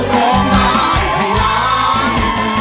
ร้องได้ให้ล้าน